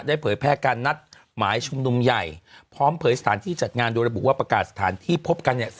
เผยแพร่การนัดหมายชุมนุมใหญ่พร้อมเผยสถานที่จัดงานโดยระบุว่าประกาศสถานที่พบกันเนี่ย